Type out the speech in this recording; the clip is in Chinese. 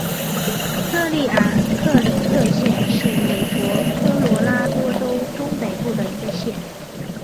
克利尔克里克县是美国科罗拉多州中北部的一个县。